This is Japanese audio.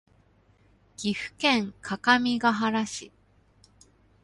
岐阜県各務原市